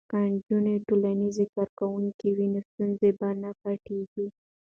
که نجونې ټولنیزې کارکوونکې وي نو ستونزې به نه پټیږي.